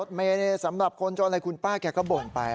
รถเมย์สำหรับคนจนอะไรคุณป้าแกะกะโบ่งไป